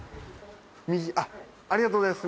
右あっありがとうございます。